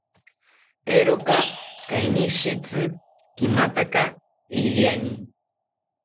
Eeroka kainishitzi kimataka iriani